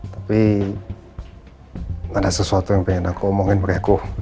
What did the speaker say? tapi ada sesuatu yang pengen aku omongin sama mereka